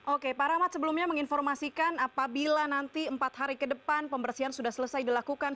oke pak rahmat sebelumnya menginformasikan apabila nanti empat hari ke depan pembersihan sudah selesai dilakukan